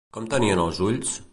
Com tenien els ulls?